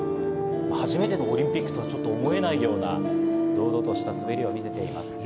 初めてのオリンピックとはちょっと思えないような、堂々とした滑りを見せています。